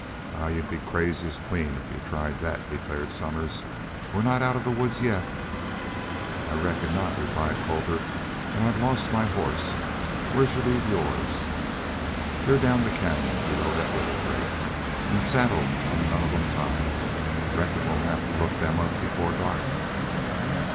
"I Wal, you'd be as crazy as Queen if you tried thet," declared Somers. "We're not out of the woods yet." "I reckon not," replied Colter. "An' I've lost my horse. Where'd y'u leave yours?" "They're down the canyon, below thet willow brake. An' saddled an' none of them tied. Reckon we'll have to look them up before dark."